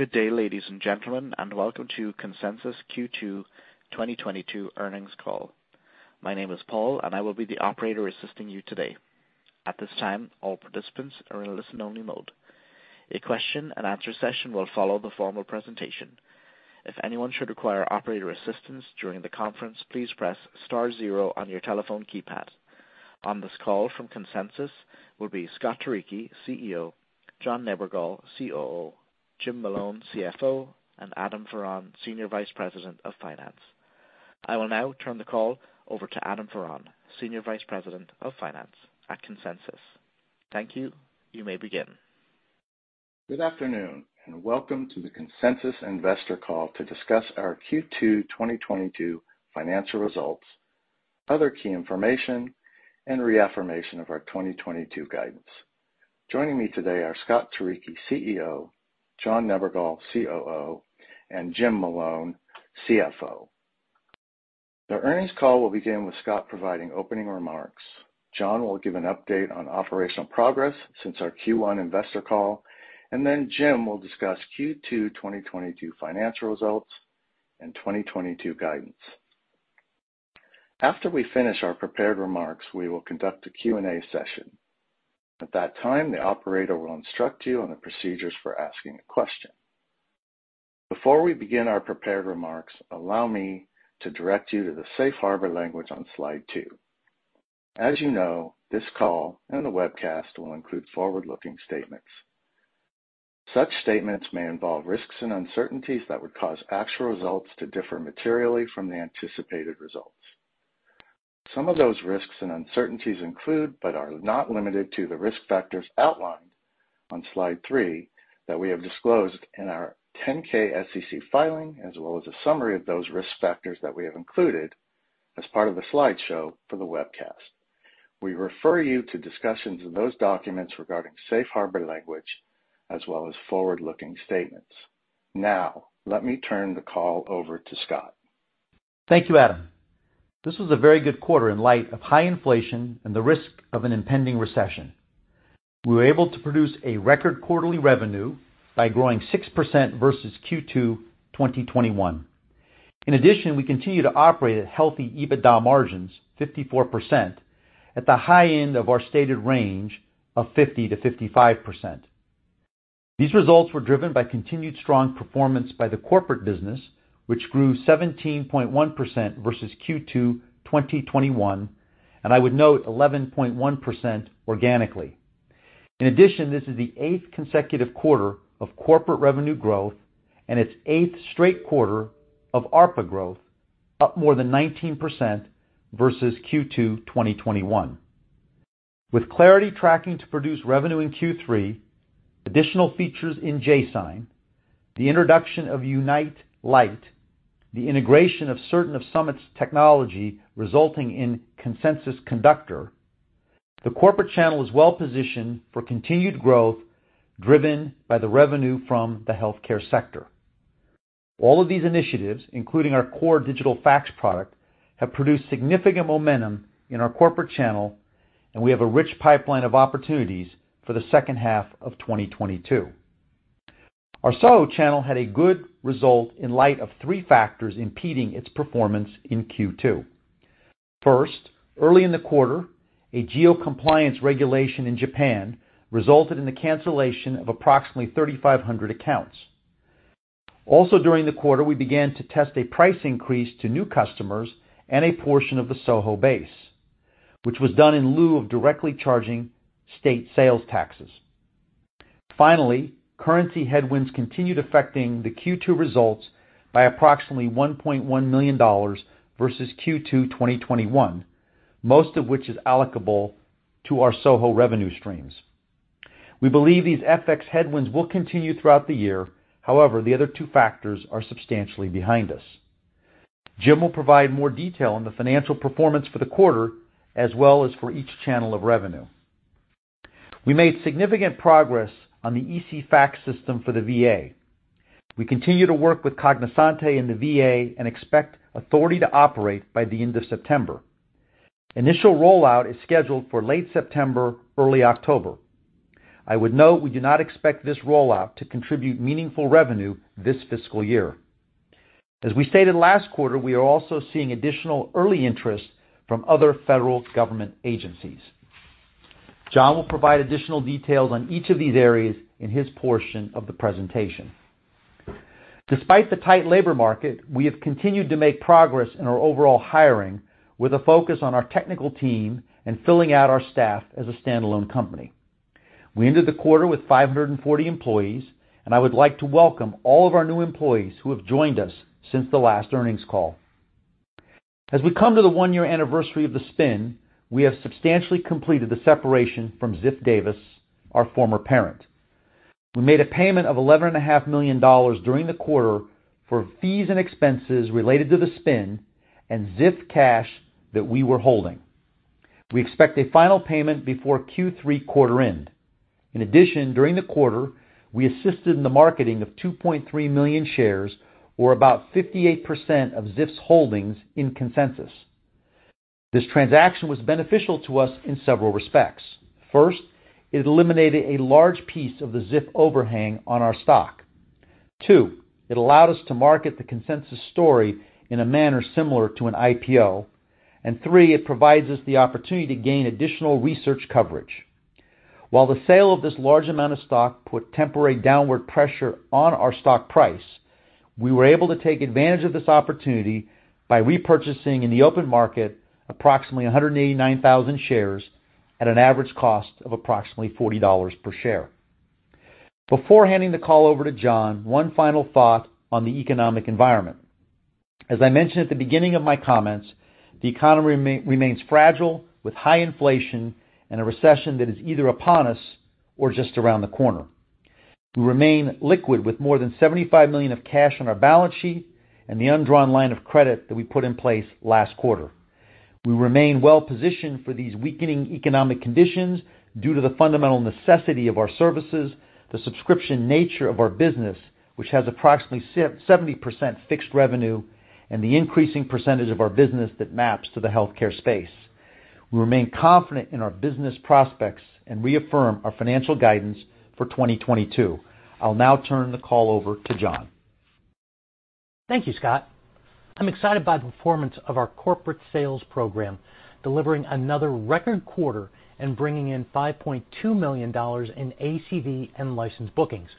Good day, ladies and gentlemen, and welcome to Consensus Cloud Solutions Q2 2022 earnings call. My name is Paul, and I will be the operator assisting you today. At this time, all participants are in a listen-only mode. A question-and-answer session will follow the formal presentation. If anyone should require operator assistance during the conference, please press star zero on your telephone keypad. On this call from Consensus Cloud Solutions will be Scott Turicchi, CEO, John Nebergall, COO, Jim Malone, CFO, and Adam Varon, Senior Vice President of Finance. I will now turn the call over to Adam Varon, Senior Vice President of Finance at Consensus Cloud Solutions. Thank you. You may begin. Good afternoon, and welcome to the Consensus Cloud Solutions investor call to discuss our Q2 2022 financial results, other key information, and reaffirmation of our 2022 guidance. Joining me today are Scott Turicchi, CEO, John Nebergall, COO, and Jim Malone, CFO. The earnings call will begin with Scott providing opening remarks. John will give an update on operational progress since our Q1 investor call, and then Jim will discuss Q2 2022 financial results and 2022 guidance. After we finish our prepared remarks, we will conduct a Q&A session. At that time, the operator will instruct you on the procedures for asking a question. Before we begin our prepared remarks, allow me to direct you to the Safe Harbor language on Slide 2. As you know, this call and the webcast will include forward-looking statements. Such statements may involve risks and uncertainties that would cause actual results to differ materially from the anticipated results. Some of those risks and uncertainties include, but are not limited to, the risk factors outlined on Slide 3 that we have disclosed in our 10-K SEC filing, as well as a summary of those risk factors that we have included as part of the slideshow for the webcast. We refer you to discussions in those documents regarding Safe Harbor language as well as forward-looking statements. Now, let me turn the call over to Scott. Thank you, Adam. This was a very good quarter in light of high inflation and the risk of an impending recession. We were able to produce a record quarterly revenue by growing 6% versus Q2 2021. In addition, we continue to operate at healthy EBITDA margins, 54%, at the high end of our stated range of 50%-55%. These results were driven by continued strong performance by the corporate business, which grew 17.1% versus Q2 2021, and I would note 11.1% organically. In addition, this is the eighth consecutive quarter of corporate revenue growth and its eighth straight quarter of ARPA growth, up more than 19% versus Q2 2021. With Clarity tracking to produce revenue in Q3, additional features in jSign, the introduction of Unite Lite, the integration of certain of Summit's technology resulting in Consensus Conductor, the corporate channel is well positioned for continued growth, driven by the revenue from the healthcare sector. All of these initiatives, including our core digital fax product, have produced significant momentum in our corporate channel, and we have a rich pipeline of opportunities for the second half of 2022. Our SoHo channel had a good result in light of three factors impeding its performance in Q2. First, early in the quarter, a geo-compliance regulation in Japan resulted in the cancellation of approximately 3,500 accounts. Also during the quarter, we began to test a price increase to new customers and a portion of the SoHo base, which was done in lieu of directly charging state sales taxes. Finally, currency headwinds continued affecting the Q2 results by approximately $1.1 million versus Q2 2021, most of which is allocable to our SoHo revenue streams. We believe these FX headwinds will continue throughout the year. However, the other two factors are substantially behind us. Jim will provide more detail on the financial performance for the quarter as well as for each channel of revenue. We made significant progress on the ECFax system for the VA. We continue to work with Cognosante and the VA and expect Authority to Operate by the end of September. Initial rollout is scheduled for late September, early October. I would note we do not expect this rollout to contribute meaningful revenue this fiscal year. As we stated last quarter, we are also seeing additional early interest from other federal government agencies. John will provide additional details on each of these areas in his portion of the presentation. Despite the tight labor market, we have continued to make progress in our overall hiring with a focus on our technical team and filling out our staff as a standalone company. We ended the quarter with 540 employees, and I would like to welcome all of our new employees who have joined us since the last earnings call. As we come to the one-year anniversary of the spin, we have substantially completed the separation from Ziff Davis, our former parent. We made a payment of $11.5 million during the quarter for fees and expenses related to the spin and Ziff cash that we were holding. We expect a final payment before Q3 quarter end. In addition, during the quarter, we assisted in the marketing of 2.3 million shares, or about 58% of Ziff Davis's holdings in Consensus. This transaction was beneficial to us in several respects. First, it eliminated a large piece of the Ziff overhang on our stock. Two, it allowed us to market the Consensus story in a manner similar to an IPO. And three, it provides us the opportunity to gain additional research coverage. While the sale of this large amount of stock put temporary downward pressure on our stock price, we were able to take advantage of this opportunity by repurchasing in the open market approximately 189,000 shares at an average cost of approximately $40 per share. Before handing the call over to John Nebergall, one final thought on the economic environment. As I mentioned at the beginning of my comments, the economy remains fragile, with high inflation and a recession that is either upon us or just around the corner. We remain liquid with more than $75 million of cash on our balance sheet and the undrawn line of credit that we put in place last quarter. We remain well positioned for these weakening economic conditions due to the fundamental necessity of our services, the subscription nature of our business, which has approximately 70% fixed revenue, and the increasing percentage of our business that maps to the healthcare space. We remain confident in our business prospects and reaffirm our financial guidance for 2022. I'll now turn the call over to John. Thank you, Scott. I'm excited by the performance of our corporate sales program, delivering another record quarter and bringing in $5.2 million in ACV and license bookings.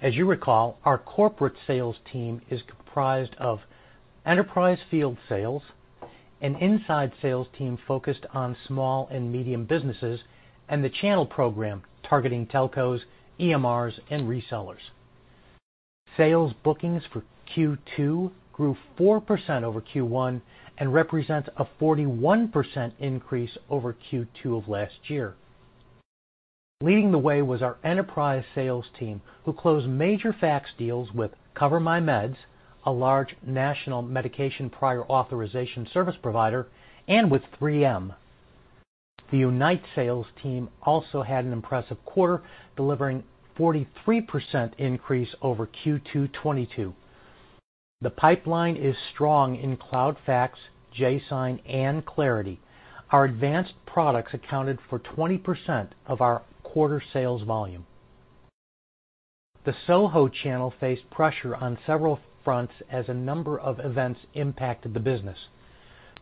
As you recall, our corporate sales team is comprised of enterprise field sales, an inside sales team focused on small and medium businesses, and the channel program targeting telcos, EMRs, and resellers. Sales bookings for Q2 grew 4% over Q1 and represents a 41% increase over Q2 of last year. Leading the way was our enterprise sales team, who closed major fax deals with CoverMyMeds, a large national medication prior authorization service provider, and with 3M. The Unite sales team also had an impressive quarter, delivering 43% increase over Q2 2022. The pipeline is strong in Cloud Fax, jSign, and Clarity. Our advanced products accounted for 20% of our quarter sales volume. The SoHo channel faced pressure on several fronts as a number of events impacted the business.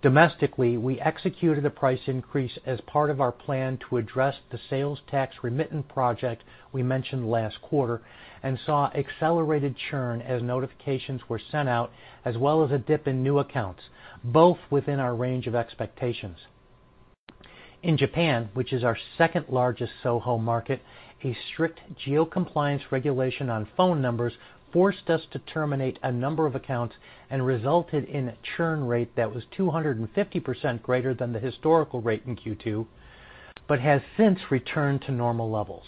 Domestically, we executed a price increase as part of our plan to address the sales tax remittance project we mentioned last quarter and saw accelerated churn as notifications were sent out, as well as a dip in new accounts, both within our range of expectations. In Japan, which is our second-largest SoHo market, a strict geo-compliance regulation on phone numbers forced us to terminate a number of accounts and resulted in a churn rate that was 250% greater than the historical rate in Q2, but has since returned to normal levels.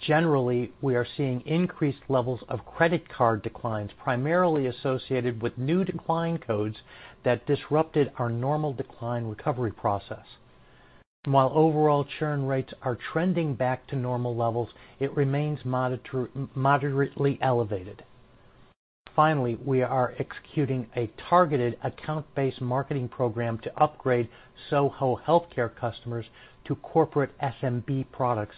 Generally, we are seeing increased levels of credit card declines, primarily associated with new decline codes that disrupted our normal decline recovery process. While overall churn rates are trending back to normal levels, it remains moderately elevated. Finally, we are executing a targeted account-based marketing program to upgrade SoHo healthcare customers to corporate SMB products.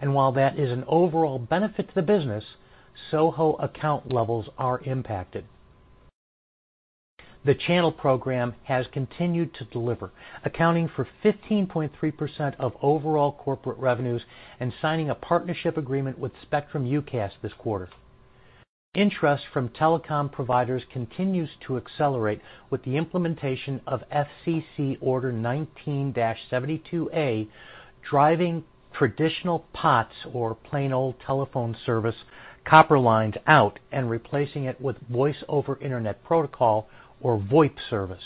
While that is an overall benefit to the business, SoHo account levels are impacted. The channel program has continued to deliver, accounting for 15.3% of overall corporate revenues and signing a partnership agreement with Spectrum UCaaS this quarter. Interest from telecom providers continues to accelerate with the implementation of FCC Order 19-72A1, driving traditional POTS, or plain old telephone service, copper lines out and replacing it with Voice over Internet Protocol, or VoIP service.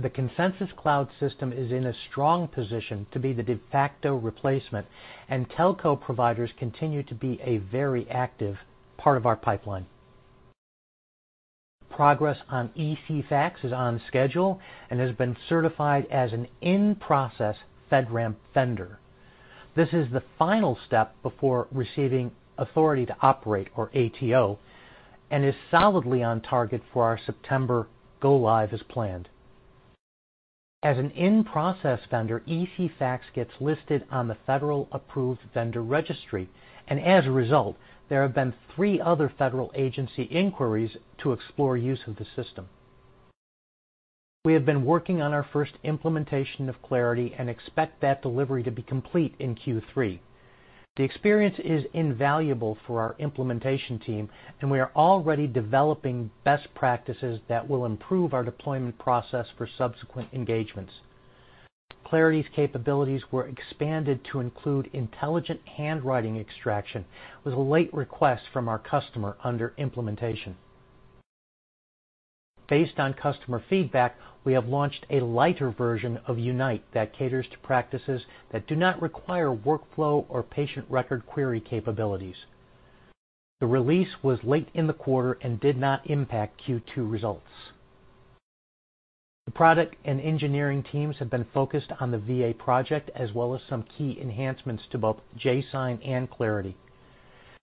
The Consensus Cloud system is in a strong position to be the de facto replacement, and telco providers continue to be a very active part of our pipeline. Progress on ECFax is on schedule and has been certified as an In-Process FedRAMP vendor. This is the final step before receiving Authority to Operate, or ATO, and is solidly on target for our September go live as planned. As an In-Process vendor, ECFax gets listed on the federal approved vendor registry, and as a result, there have been three other federal agency inquiries to explore use of the system. We have been working on our first implementation of Clarity and expect that delivery to be complete in Q3. The experience is invaluable for our implementation team, and we are already developing best practices that will improve our deployment process for subsequent engagements. Clarity's capabilities were expanded to include intelligent handwriting extraction with a late request from our customer under implementation. Based on customer feedback, we have launched a lighter version of Unite that caters to practices that do not require workflow or patient record query capabilities. The release was late in the quarter and did not impact Q2 results. The product and engineering teams have been focused on the VA project as well as some key enhancements to both jSign and Clarity.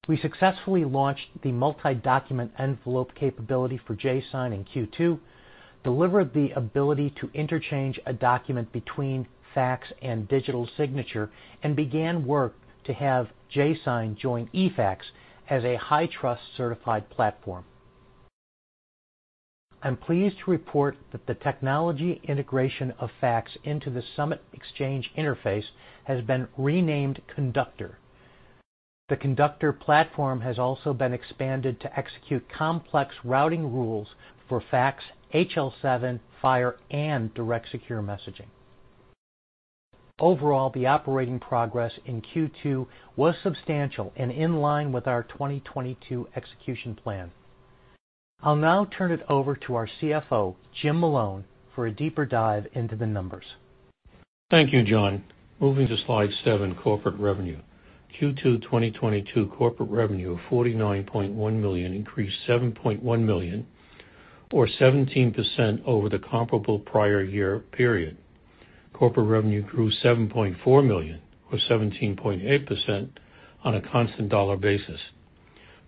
We successfully launched the multi-document envelope capability for jSign in Q2, delivered the ability to interchange a document between eFax and digital signature, and began work to have jSign join eFax as a high-trust certified platform. I'm pleased to report that the technology integration of fax into the Summit exchange interface has been renamed Conductor. The Conductor platform has also been expanded to execute complex routing rules for fax, HL7, EHR, and Direct Secure Messaging. Overall, the operating progress in Q2 was substantial and in line with our 2022 execution plan. I'll now turn it over to our CFO, Jim Malone, for a deeper dive into the numbers. Thank you, John. Moving to Slide 7, corporate revenue. Q2 2022 corporate revenue of $49.1 million increased $7.1 million or 17% over the comparable prior year period. Corporate revenue grew $7.4 million, or 17.8% on a constant dollar basis.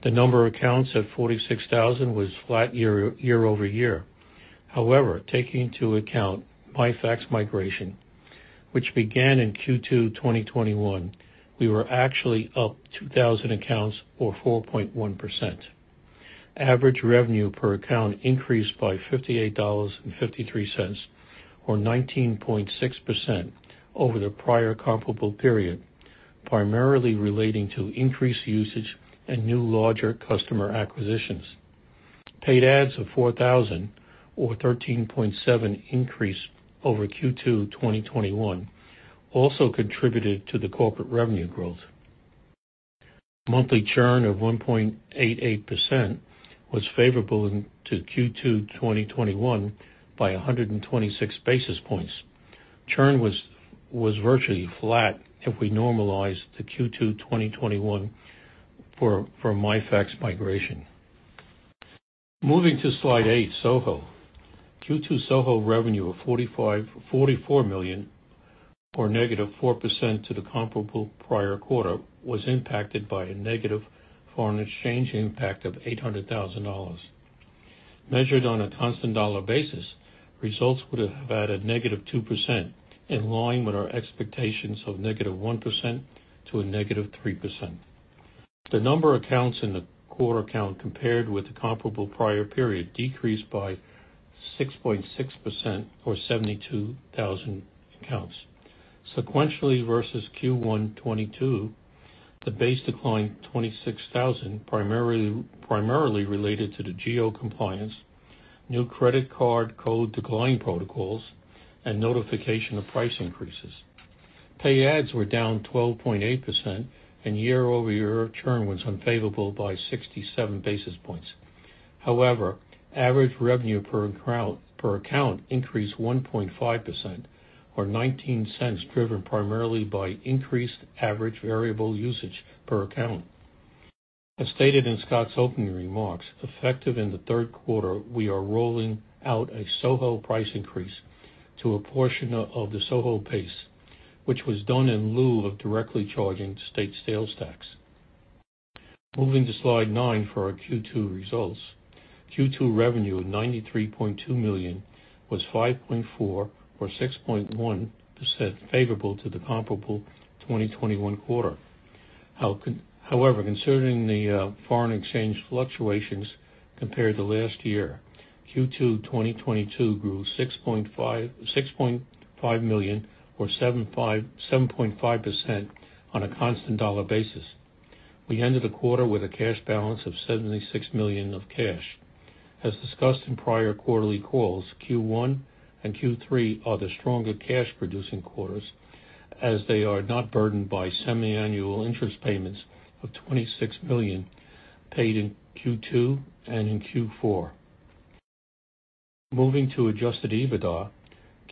The number of accounts at 46,000 was flat year-over-year. However, taking into account MyFax migration, which began in Q2 2021, we were actually up 2,000 accounts or 4.1%. Average revenue per account increased by $58.53, or 19.6% over the prior comparable period, primarily relating to increased usage and new larger customer acquisitions. Paid adds of 4,000 or 13.7% increase over Q2 2021 also contributed to the corporate revenue growth. Monthly churn of 1.88% was favorable into Q2 2021 by 126 basis points. Churn was virtually flat if we normalize the Q2 2021 for MyFax migration. Moving to Slide 8, SoHo. Q2 SoHo revenue of $44 million, or -4% to the comparable prior quarter was impacted by a negative foreign exchange impact of $800,000. Measured on a constant dollar basis, results would have had a -2%, in line with our expectations of -1% to -3%. The number of accounts in the quarter count compared with the comparable prior period decreased by 6.6%, or 72,000 accounts. Sequentially versus Q1 2022, the base declined 26,000, primarily related to the geo-compliance, new credit card code decline protocols, and notification of price increases. Paid ads were down 12.8% and year-over-year churn was unfavorable by 67 basis points. However, average revenue per account increased 1.5% or $0.19, driven primarily by increased average variable usage per account. As stated in Scott's opening remarks, effective in the third quarter, we are rolling out a SoHo price increase to a portion of the SoHo base, which was done in lieu of directly charging state sales tax. Moving to Slide 9 for our Q2 results. Q2 revenue of $93.2 million was 5.4 or 6.1% favorable to the comparable 2021 quarter. However, considering the foreign exchange fluctuations compared to last year, Q2 2022 grew $6.5 million or 7.5% on a constant dollar basis. We ended the quarter with a cash balance of $76 million of cash. As discussed in prior quarterly calls, Q1 and Q3 are the stronger cash-producing quarters as they are not burdened by semiannual interest payments of $26 million paid in Q2 and in Q4. Moving to adjusted EBITDA.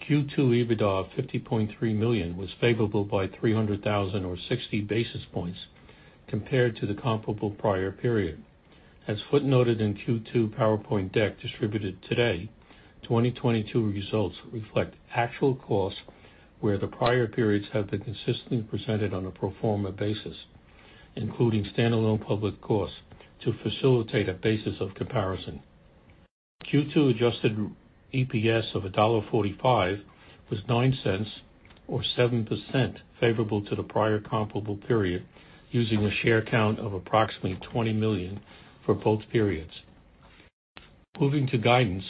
Q2 EBITDA of $50.3 million was favorable by $300,000 or 60 basis points compared to the comparable prior period. As footnoted in Q2 PowerPoint deck distributed today, 2022 results reflect actual costs, where the prior periods have been consistently presented on a pro forma basis, including standalone public costs, to facilitate a basis of comparison. Q2 adjusted EPS of $1.45 was $0.09 or 7% favorable to the prior comparable period, using a share count of approximately 20 million for both periods. Moving to guidance.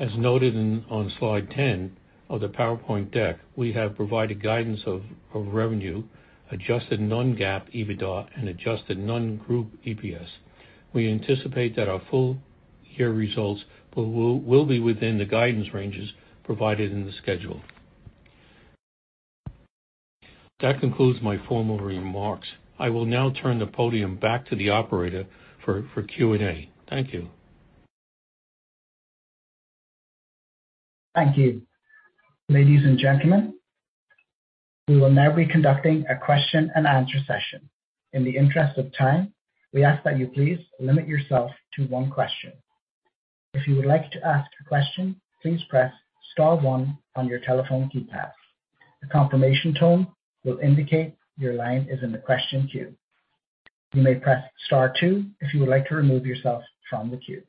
As noted on Slide 10 of the PowerPoint deck, we have provided guidance of revenue, adjusted non-GAAP EBITDA and adjusted non-GAAP EPS. We anticipate that our full year results will be within the guidance ranges provided in the schedule. That concludes my formal remarks. I will now turn the podium back to the operator for Q&A. Thank you. Thank you. Ladies and gentlemen, we will now be conducting a question-and-answer session. In the interest of time, we ask that you please limit yourself to one question. If you would like to ask a question, please press star one on your telephone keypad. The confirmation tone will indicate your line is in the question queue. You may press star two if you would like to remove yourself from the queue.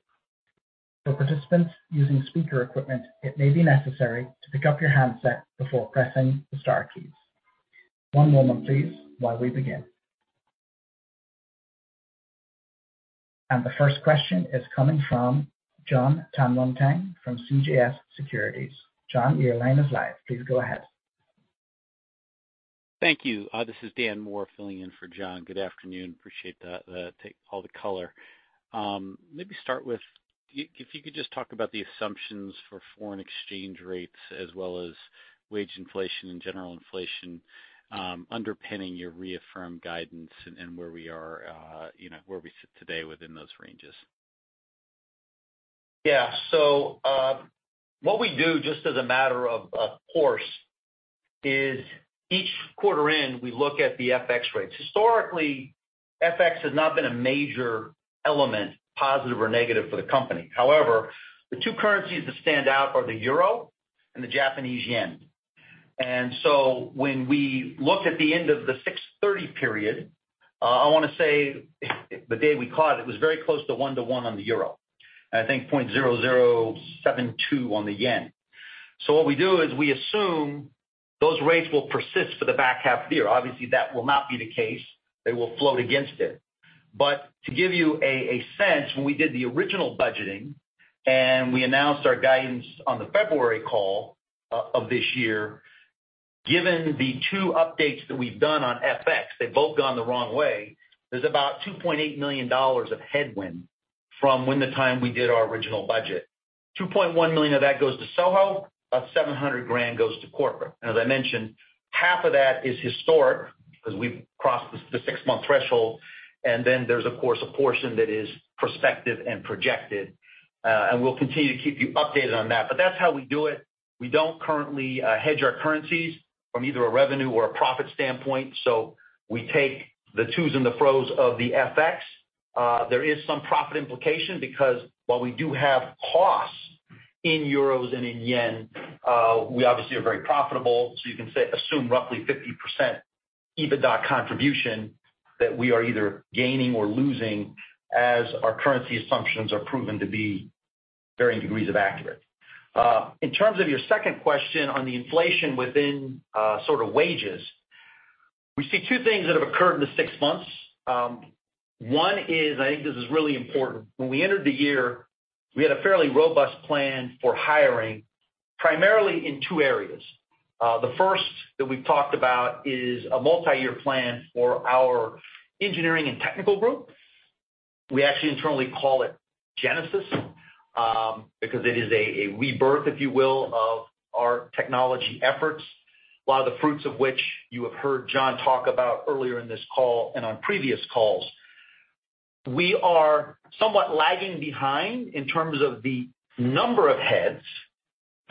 For participants using speaker equipment, it may be necessary to pick up your handset before pressing the star keys. One moment please while we begin. The first question is coming from Jon Tanwanteng from CJS Securities. Jon, your line is live. Please go ahead. Thank you. This is Dan Moore filling in for Jon Tanwanteng. Good afternoon. Appreciate the take, all the color. Maybe start with if you could just talk about the assumptions for foreign exchange rates as well as wage inflation and general inflation, underpinning your reaffirmed guidance and where we are, you know, where we sit today within those ranges. Yeah. What we do just as a matter of course is each quarter end, we look at the FX rates. Historically, FX has not been a major element, positive or negative, for the company. However, the two currencies that stand out are the Euro and the Japanese Yen. When we look at the end of the 6/30 period, I wanna say the day we caught it was very close to 1 to 1 on the Euro, and I think 0.0072 on the Yen. What we do is we assume those rates will persist for the back half of the year. Obviously, that will not be the case. They will float against it. To give you a sense, when we did the original budgeting and we announced our guidance on the February call of this year, given the two updates that we've done on FX, they've both gone the wrong way. There's about $2.8 million of headwind from the time we did our original budget. $2.1 million of that goes to SoHo, about $700,000 goes to corporate. And as I mentioned, half of that is historic 'cause we've crossed the six-month threshold, and then there's of course a portion that is prospective and projected, and we'll continue to keep you updated on that. That's how we do it. We don't currently hedge our currencies from either a revenue or a profit standpoint, so we take the ups and downs of the FX. There is some profit implication because while we do have costs in Euros and in Yen, we obviously are very profitable. You can say, assume roughly 50% EBITDA contribution that we are either gaining or losing as our currency assumptions are proven to be varying degrees of accuracy. In terms of your second question on the inflation within sort of wages, we see two things that have occurred in the six months. One is, and I think this is really important, when we entered the year, we had a fairly robust plan for hiring, primarily in two areas. The first that we've talked about is a multiyear plan for our engineering and technical group. We actually internally call it Genesis, because it is a rebirth, if you will, of our technology efforts. A lot of the fruits of which you have heard John talk about earlier in this call and on previous calls. We are somewhat lagging behind in terms of the number of heads.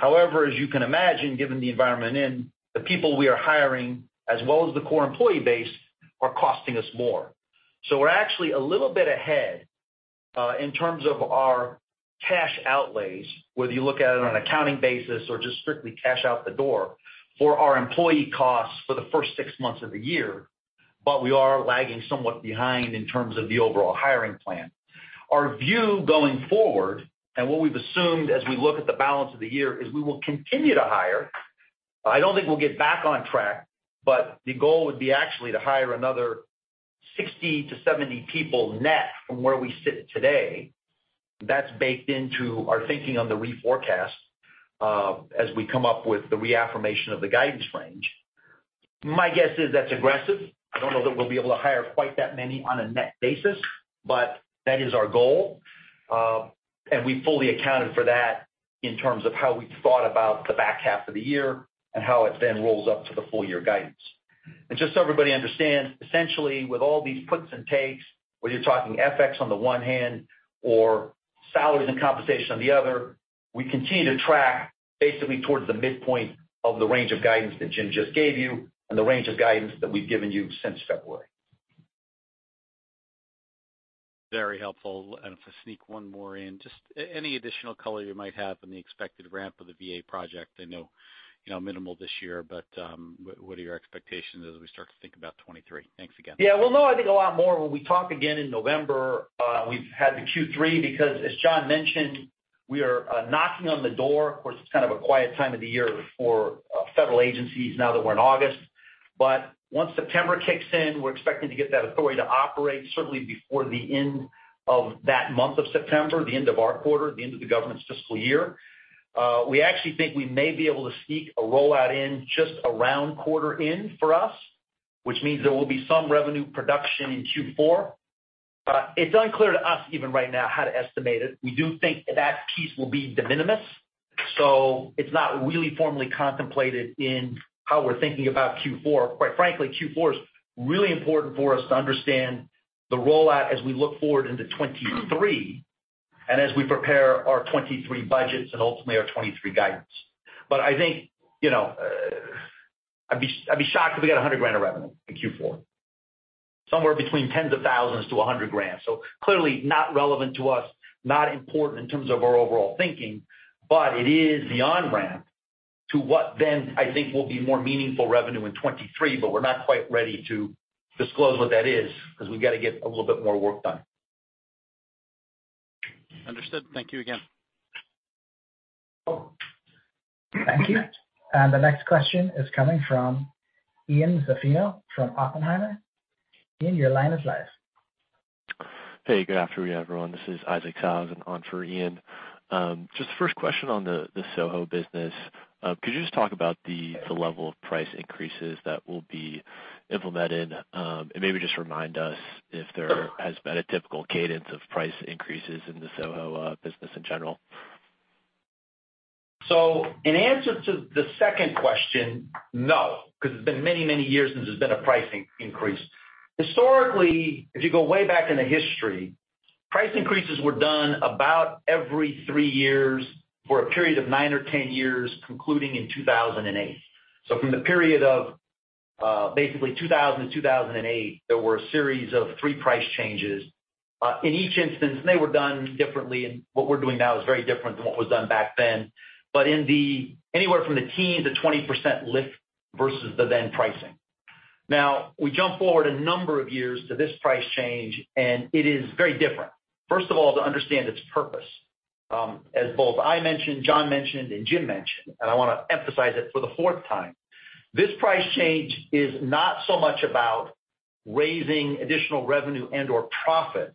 However, as you can imagine, given the environment in, the people we are hiring, as well as the core employee base, are costing us more. We're actually a little bit ahead in terms of our cash outlays, whether you look at it on an accounting basis or just strictly cash out the door, for our employee costs for the first six months of the year, but we are lagging somewhat behind in terms of the overall hiring plan. Our view going forward and what we've assumed as we look at the balance of the year is we will continue to hire. I don't think we'll get back on track, but the goal would be actually to hire another 60-70 people net from where we sit today. That's baked into our thinking on the reforecast as we come up with the reaffirmation of the guidance range. My guess is that's aggressive. I don't know that we'll be able to hire quite that many on a net basis, but that is our goal. We fully accounted for that in terms of how we thought about the back half of the year and how it then rolls up to the full year guidance. Just so everybody understands, essentially with all these puts and takes, whether you're talking FX on the one hand or salaries and compensation on the other, we continue to track basically towards the midpoint of the range of guidance that Jim just gave you and the range of guidance that we've given you since February. Very helpful. If I sneak one more in, just any additional color you might have on the expected ramp of the VA project. I know, you know, minimal this year, but what are your expectations as we start to think about 2023? Thanks again. Yeah. We'll know, I think, a lot more when we talk again in November, we've had the Q3, because as John mentioned, we are knocking on the door. Of course, it's kind of a quiet time of the year for federal agencies now that we're in August. Once September kicks in, we're expecting to get that Authority to Operate certainly before the end of that month of September, the end of our quarter, the end of the government's fiscal year. We actually think we may be able to sneak a rollout in just around quarter in for us, which means there will be some revenue production in Q4. It's unclear to us even right now how to estimate it. We do think that piece will be de minimis, so it's not really formally contemplated in how we're thinking about Q4. Quite frankly, Q4 is really important for us to understand the rollout as we look forward into 2023 and as we prepare our 2023 budgets and ultimately our 2023 guidance. I think, you know, I'd be shocked if we got $100,000 of revenue in Q4. Somewhere between tens of thousands to $100,000. Clearly not relevant to us, not important in terms of our overall thinking, but it is the on-ramp to what then I think will be more meaningful revenue in 2023, but we're not quite ready to disclose what that is because we've got to get a little bit more work done. Understood. Thank you again. Thank you. The next question is coming from Ian Zaffino from Oppenheimer. Ian, your line is live. Hey, good afternoon, everyone. This is Isaac Sellhausen in on for Ian. Just first question on the SoHo business. Could you just talk about the level of price increases that will be implemented, and maybe just remind us if there has been a typical cadence of price increases in the SoHo business in general. In answer to the second question, no, because it's been many, many years since there's been a price increase. Historically, if you go way back in the history, price increases were done about every 3 years for a period of 9 or 10 years, concluding in 2008. From the period of, basically, 2000 to 2008, there were a series of 3 price changes. In each instance, they were done differently, and what we're doing now is very different than what was done back then. Anywhere from the 10%-20% lift versus the then pricing. Now, we jump forward a number of years to this price change, and it is very different. First of all, to understand its purpose, as both I mentioned, John mentioned, and Jim mentioned, and I wanna emphasize it for the fourth time, this price change is not so much about raising additional revenue and/or profit,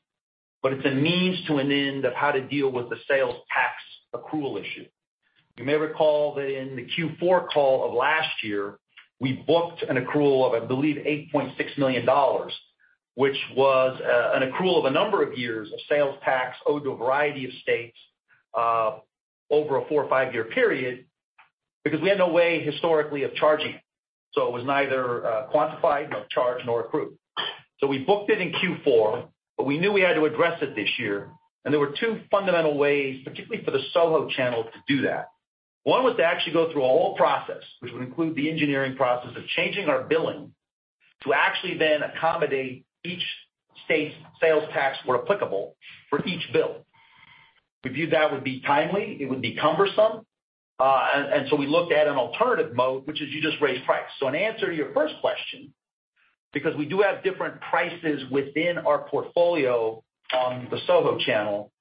but it's a means to an end of how to deal with the sales tax accrual issue. You may recall that in the Q4 call of last year, we booked an accrual of, I believe, $8.6 million, which was an accrual of a number of years of sales tax owed to a variety of states over a 4 or 5-year period because we had no way historically of charging it. It was neither quantified, nor charged, nor accrued. We booked it in Q4, but we knew we had to address it this year. There were two fundamental ways, particularly for the SoHo channel, to do that. One was to actually go through a whole process, which would include the engineering process of changing our billing to actually then accommodate each state's sales tax where applicable for each bill. We viewed that would be timely, it would be cumbersome, and so we looked at an alternative mode, which is you just raise price. In answer to your first question, because we do have different prices within our portfolio on the SoHo channel,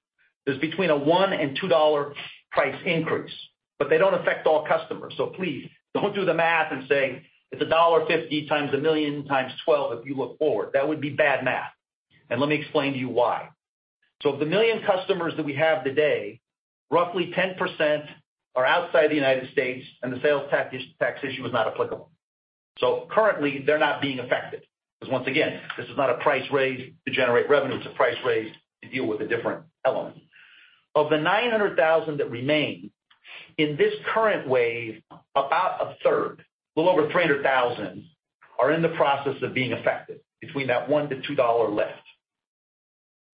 is between a $1-$2 price increase, but they don't affect all customers. Please don't do the math and say it's $1.50 times 1 million times 12 if you look forward, that would be bad math. Let me explain to you why. Of the 1 million customers that we have today, roughly 10% are outside the United States, and the sales tax issue is not applicable. Currently, they're not being affected. 'Cause once again, this is not a price raise to generate revenue, it's a price raise to deal with a different element. Of the 900,000 that remain, in this current wave, about a third, a little over 300,000, are in the process of being affected between that $1-$2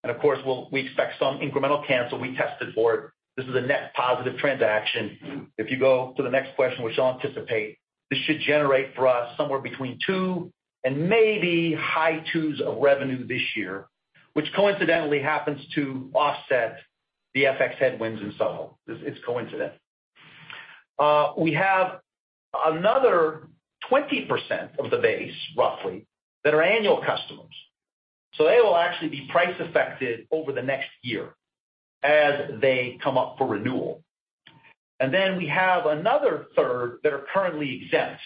lift. Of course, we expect some incremental cancel. We tested for it. This is a net positive transaction. If you go to the next question, which I'll anticipate, this should generate for us somewhere between $2 million and maybe high $2 million of revenue this year, which coincidentally happens to offset the FX headwinds in SoHo. It's coincidental. We have another 20% of the base, roughly, that are annual customers. They will actually be price affected over the next year as they come up for renewal. We have another third that are currently exempt.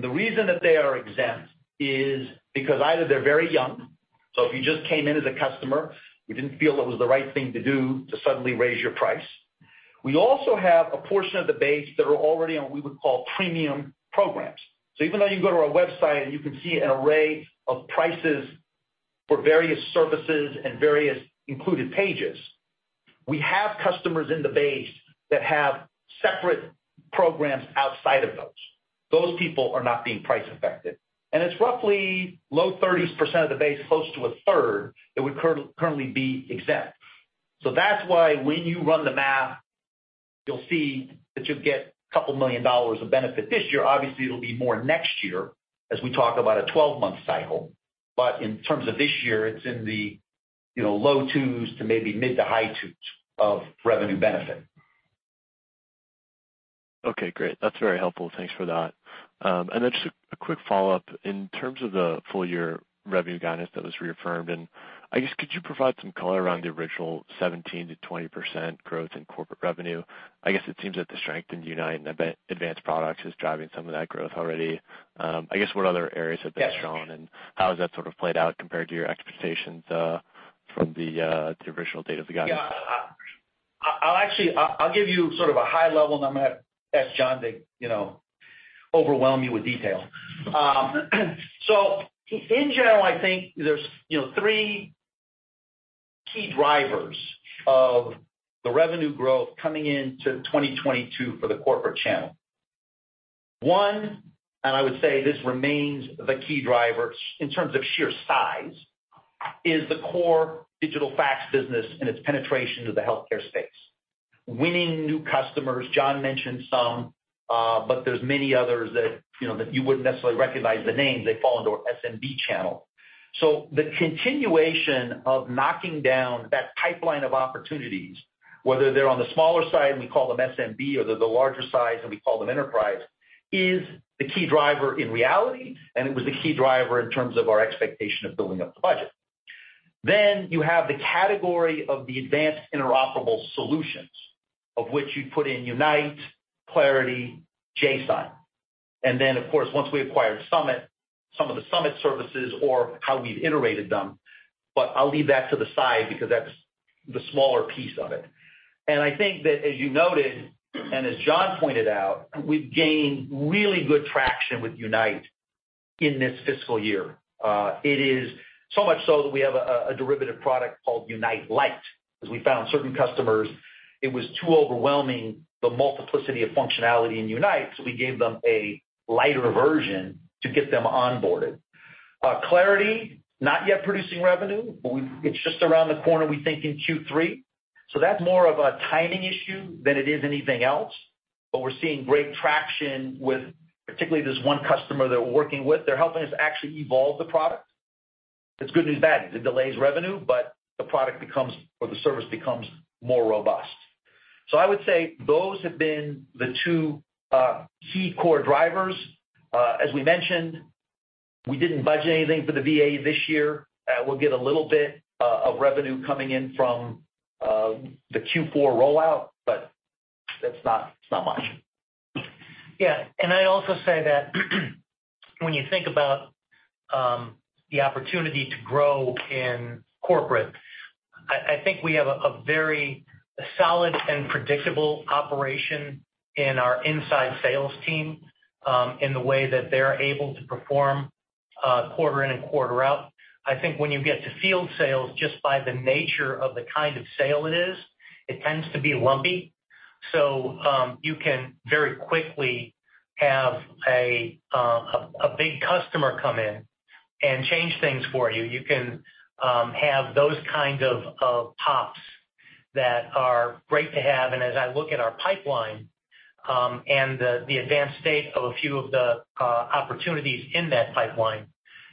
The reason that they are exempt is because either they're very young. If you just came in as a customer, we didn't feel it was the right thing to do to suddenly raise your price. We also have a portion of the base that are already on what we would call premium programs. Even though you can go to our website and you can see an array of prices for various services and various included pages, we have customers in the base that have separate programs outside of those. Those people are not being price affected. It's roughly low 30s% of the base, close to a third, that would currently be exempt. That's why when you run the math, you'll see that you'll get $2 million of benefit this year. Obviously, it'll be more next year as we talk about a 12-month cycle. In terms of this year, it's in the, you know, low 2s% to maybe mid- to high 2s% of revenue benefit. Okay, great. That's very helpful. Thanks for that. Then just a quick follow-up. In terms of the full year revenue guidance that was reaffirmed, and I guess could you provide some color around the original 17%-20% growth in corporate revenue? I guess it seems that the strength in Unite and advanced products is driving some of that growth already. I guess what other areas have been strong, and how has that sort of played out compared to your expectations, from the original date of the guidance? Yeah. I'll actually give you sort of a high level and I'm gonna ask John to, you know, overwhelm you with detail. In general, I think there's, you know, three key drivers of the revenue growth coming into 2022 for the corporate channel. One, and I would say this remains the key driver in terms of sheer size is the core digital fax business and its penetration to the healthcare space. Winning new customers, John mentioned some, but there's many others that, you know, that you wouldn't necessarily recognize the names. They fall into our SMB channel. The continuation of knocking down that pipeline of opportunities, whether they're on the smaller side, and we call them SMB, or they're the larger size, and we call them enterprise, is the key driver in reality, and it was the key driver in terms of our expectation of building up the budget. You have the category of the advanced interoperable solutions, of which you put in Unite, Clarity, jSign. Of course, once we acquired Summit, some of the Summit services or how we've iterated them. I'll leave that to the side because that's the smaller piece of it. I think that as you noted, and as John pointed out, we've gained really good traction with Unite in this fiscal year. It is so much so that we have a derivative product called Unite Lite, 'cause we found certain customers, it was too overwhelming, the multiplicity of functionality in Unite, so we gave them a lighter version to get them onboarded. Clarity, not yet producing revenue, but it's just around the corner, we think in Q3. That's more of a timing issue than it is anything else. We're seeing great traction with particularly this one customer that we're working with. They're helping us actually evolve the product. It's good news, bad news. It delays revenue, but the product becomes or the service becomes more robust. I would say those have been the two key core drivers. As we mentioned, we didn't budget anything for the VA this year. We'll get a little bit of revenue coming in from the Q4 rollout, but it's not much. Yeah. I'd also say that when you think about the opportunity to grow in corporate, I think we have a very solid and predictable operation in our inside sales team in the way that they're able to perform quarter in and quarter out. I think when you get to field sales, just by the nature of the kind of sale it is, it tends to be lumpy. You can very quickly have a big customer come in and change things for you. You can have those kind of pops that are great to have. As I look at our pipeline, and the advanced state of a few of the opportunities in that pipeline,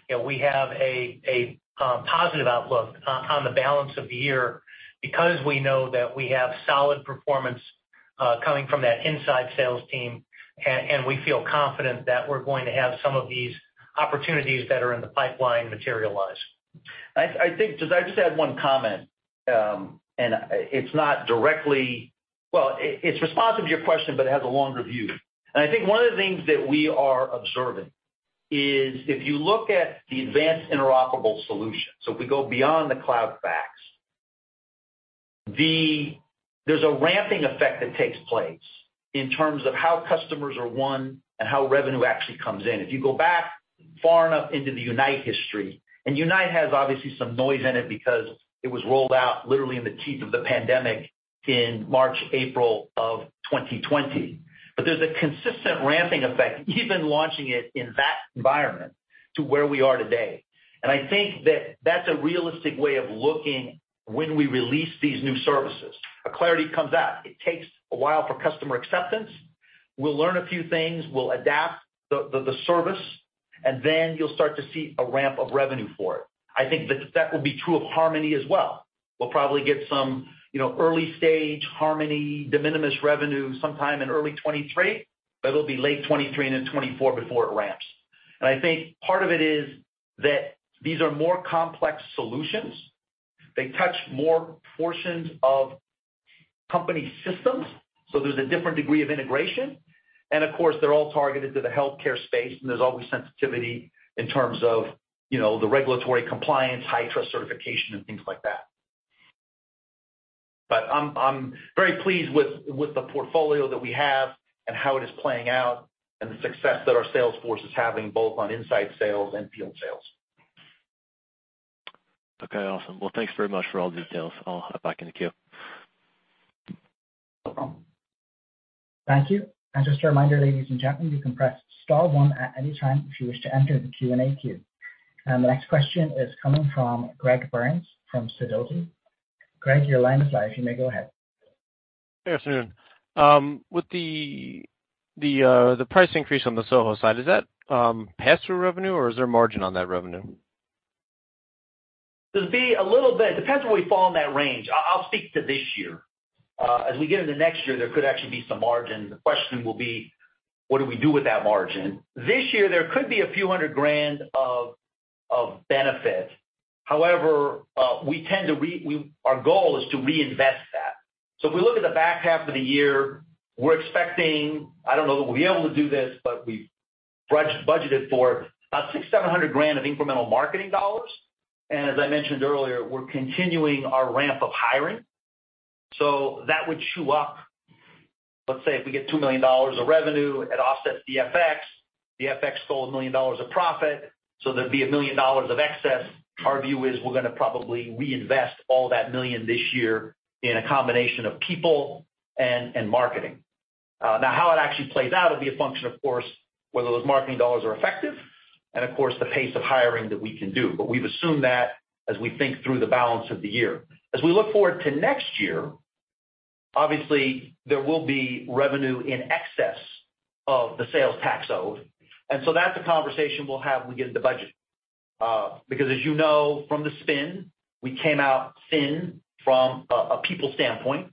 you know, we have a positive outlook on the balance of the year because we know that we have solid performance coming from that inside sales team, and we feel confident that we're going to have some of these opportunities that are in the pipeline materialize. I just had one comment, and it's not directly. Well, it's responsive to your question, but it has a longer view. I think one of the things that we are observing is if you look at the advanced interoperable solution, so if we go beyond the cloud fax, there's a ramping effect that takes place in terms of how customers are won and how revenue actually comes in. If you go back far enough into the Unite history, and Unite has obviously some noise in it because it was rolled out literally in the teeth of the pandemic in March, April of 2020. There's a consistent ramping effect, even launching it in that environment to where we are today. I think that that's a realistic way of looking when we release these new services. Clarity comes out, it takes a while for customer acceptance. We'll learn a few things, we'll adapt the service, and then you'll start to see a ramp of revenue for it. I think that will be true of Harmony as well. We'll probably get some, you know, early stage Harmony de minimis revenue sometime in early 2023, but it'll be late 2023 into 2024 before it ramps. I think part of it is that these are more complex solutions. They touch more portions of company systems, so there's a different degree of integration. Of course, they're all targeted to the healthcare space, and there's always sensitivity in terms of, you know, the regulatory compliance, high trust certification and things like that. I'm very pleased with the portfolio that we have and how it is playing out and the success that our sales force is having both on inside sales and field sales. Okay, awesome. Well, thanks very much for all the details. I'll hop back in the queue. No problem. Thank you. Just a reminder, ladies and gentlemen, you can press star one at any time if you wish to enter the Q&A queue. The next question is coming from Greg Burns from Sidoti. Greg, your line is live. You may go ahead. Good afternoon. With the price increase on the SoHo side, is that pass-through revenue, or is there margin on that revenue? There'd be a little bit. Depends where we fall in that range. I'll speak to this year. As we get into next year, there could actually be some margin. The question will be, what do we do with that margin? This year, there could be a few hundred grand of benefit. However, we tend to. Our goal is to reinvest that. If we look at the back half of the year, we're expecting. I don't know that we'll be able to do this, but we've budgeted for about $600,000-$700,000 of incremental marketing dollars. As I mentioned earlier, we're continuing our ramp of hiring. That would chew up. Let's say, if we get $2 million of revenue, it offsets the FX. The FX stole $1 million of profit, so there'd be $1 million of excess. Our view is we're gonna probably reinvest all that $1 million this year in a combination of people and marketing. Now how it actually plays out will be a function of course, whether those marketing dollars are effective and of course the pace of hiring that we can do. We've assumed that as we think through the balance of the year. As we look forward to next year, obviously there will be revenue in excess of the sales tax owed. That's a conversation we'll have when we get into budget. Because as you know, from the spin, we came out thin from a people standpoint.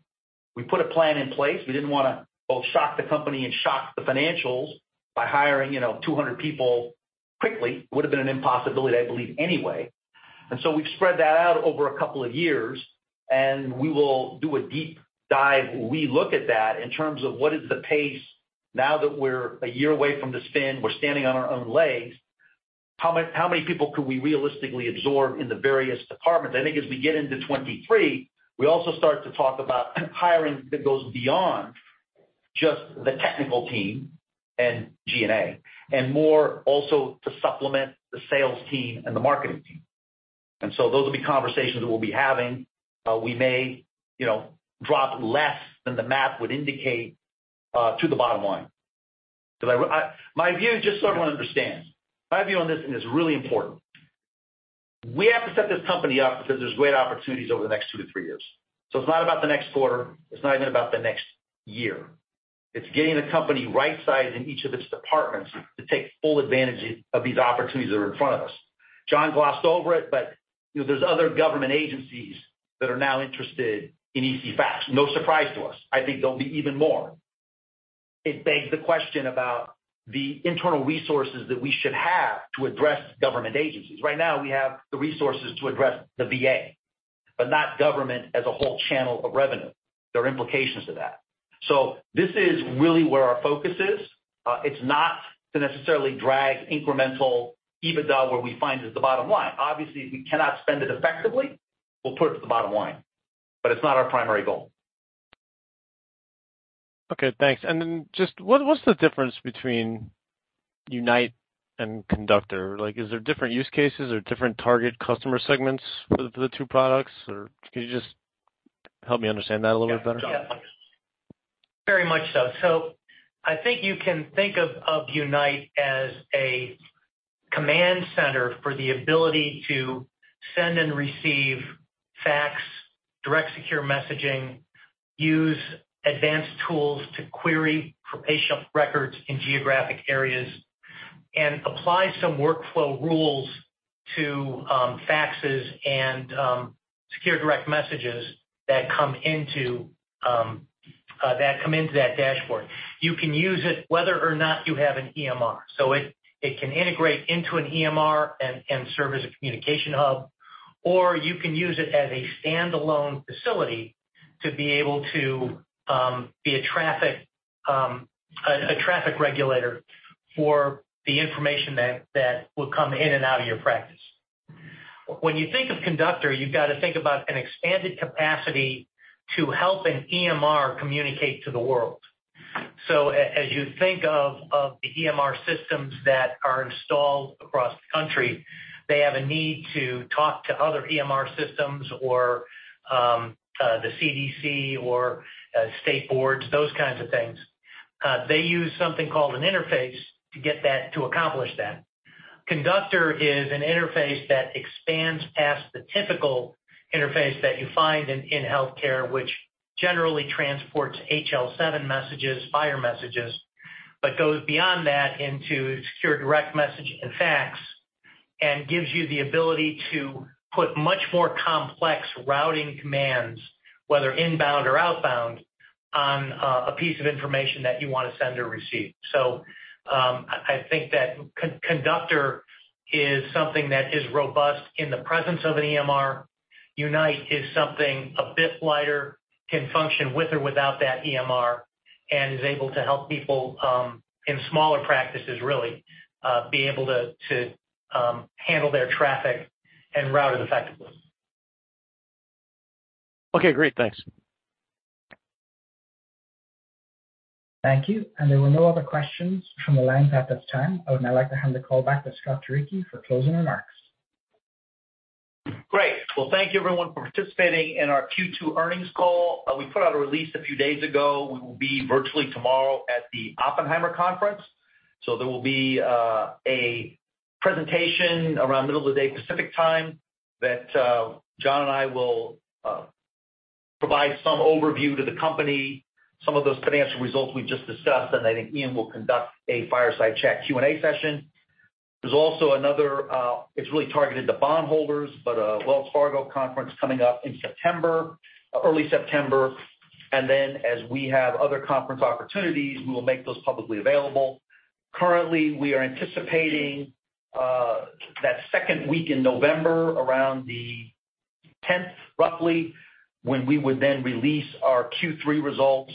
We put a plan in place. We didn't wanna both shock the company and shock the financials by hiring, you know, 200 people quickly. Would have been an impossibility, I believe, anyway. We've spread that out over a couple of years, and we will do a deep dive when we look at that in terms of what is the pace now that we're a year away from the spin, we're standing on our own legs, how many people could we realistically absorb in the various departments? I think as we get into 2023, we also start to talk about hiring that goes beyond just the technical team and G&A, and more also to supplement the sales team and the marketing team. Those will be conversations that we'll be having. We may, you know, drop less than the math would indicate to the bottom line. My view, just so everyone understands. My view on this, and it's really important. We have to set this company up because there's great opportunities over the next 2-3 years. It's not about the next quarter, it's not even about the next year. It's getting the company right-sized in each of its departments to take full advantage of these opportunities that are in front of us. John glossed over it, but, you know, there's other government agencies that are now interested in ECFax. No surprise to us. I think there'll be even more. It begs the question about the internal resources that we should have to address government agencies. Right now, we have the resources to address the VA, but not government as a whole channel of revenue. There are implications to that. This is really where our focus is. It's not to necessarily drag incremental EBITDA where we find it at the bottom line. Obviously, if we cannot spend it effectively, we'll put it to the bottom line, but it's not our primary goal. Okay, thanks. Just what's the difference between Unite and Conductor? Like, is there different use cases or different target customer segments for the two products? Can you just help me understand that a little bit better? Yeah. John. Very much so. I think you can think of Unite as a command center for the ability to send and receive faxes, Direct Secure Messaging, use advanced tools to query for patient records in geographic areas, and apply some workflow rules to faxes and secure direct messages that come into that dashboard. You can use it whether or not you have an EMR. It can integrate into an EMR and serve as a communication hub, or you can use it as a standalone facility to be able to be a traffic regulator for the information that would come in and out of your practice. When you think of Conductor, you've got to think about an expanded capacity to help an EMR communicate to the world. As you think of the EMR systems that are installed across the country, they have a need to talk to other EMR systems or the CDC or state boards, those kinds of things. They use something called an interface to get that to accomplish that. Conductor is an interface that expands past the typical interface that you find in healthcare, which generally transports HL7 messages, FHIR messages, but goes beyond that into secure direct message and fax, and gives you the ability to put much more complex routing commands, whether inbound or outbound, on a piece of information that you wanna send or receive. I think that Conductor is something that is robust in the presence of an EMR. Unite is something a bit lighter, can function with or without that EMR, and is able to help people in smaller practices really be able to handle their traffic and route it effectively. Okay, great. Thanks. Thank you. There were no other questions from the lines at this time. I would now like to hand the call back to Scott Turicchi for closing remarks. Great. Well, thank you everyone for participating in our Q2 earnings call. We put out a release a few days ago. We will be virtually tomorrow at the Oppenheimer conference. There will be a presentation around the middle of the day Pacific Time that John and I will provide some overview of the company. Some of those financial results we just discussed, and I think Ian will conduct a fireside chat Q&A session. There's also another. It's really targeted to bond holders, but a Wells Fargo conference coming up in September, early September. Then as we have other conference opportunities, we will make those publicly available. Currently, we are anticipating that second week in November around the tenth, roughly, when we would then release our Q3 results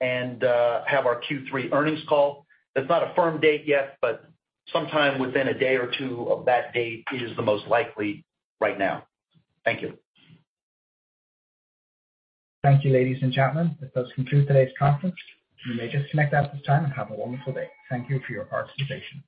and have our Q3 earnings call. That's not a firm date yet, but sometime within a day or two of that date is the most likely right now. Thank you. Thank you, ladies and gentlemen. This does conclude today's conference. You may disconnect at this time and have a wonderful day. Thank you for your participation.